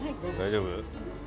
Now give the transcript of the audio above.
大丈夫？